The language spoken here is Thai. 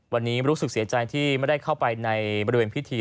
วันนี้รู้สึกเสียใจที่ไม่ได้เข้าไปในบริเวณพิธี